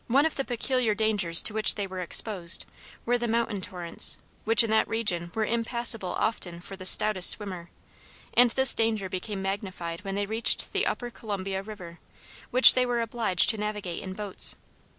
One of the peculiar dangers to which they were exposed, were the mountain torrents, which in that region were impassable often for the stoutest swimmer; and this danger became magnified when they reached the upper Columbia River, which they were obliged to navigate in boats.